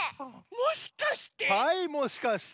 もしかして！